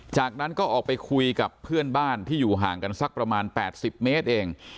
จากนั้นก็ออกไปคุยกับเพื่อนบ้านที่อยู่ห่างกันสักประมาณ๘๐เมตรเอง